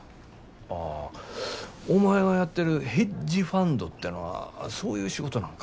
ああお前がやってるヘッジファンドてのはそういう仕事なんか。